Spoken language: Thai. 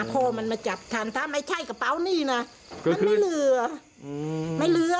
พอมันมาจับทันถ้าไม่ใช่กระเป๋านี่นะมันไม่เหลือไม่เหลือ